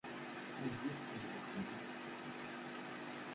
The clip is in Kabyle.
Ad am-d-yefk adlis-nni.